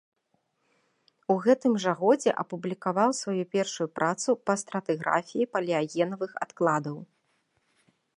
У гэтым жа годзе апублікаваў сваю першую працу па стратыграфіі палеагенавых адкладаў.